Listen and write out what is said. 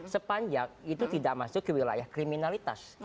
sepanjang itu tidak masuk ke wilayah kriminalitas